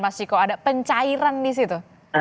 mas ciko ada pencairan disitu